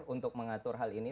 untuk mengatur hal ini